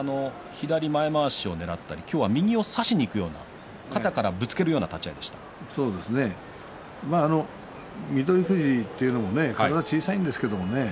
左前まわしをねらったり今日は右を差しにいくような肩からぶつけるような翠富士というのも体が小さいんですけどね